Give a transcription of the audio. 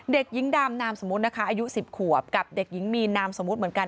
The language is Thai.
เด็กหญิงดำนามสมมุตินะคะอายุ๑๐ขวบกับเด็กหญิงมีนนามสมมุติเหมือนกัน